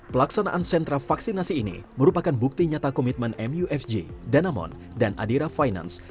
pelaksanaan sentra vaksinasi ini merupakan bukti nyata komitmen mufj danamon dan adira finance